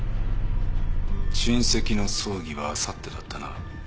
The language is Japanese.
親戚の葬儀はあさってだったな。